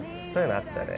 あったね。